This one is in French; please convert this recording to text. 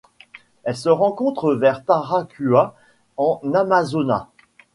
Elle se rencontre vers Taracuá en Amazonas.